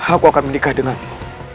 aku akan menikah denganmu